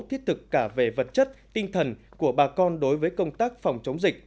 thiết thực cả về vật chất tinh thần của bà con đối với công tác phòng chống dịch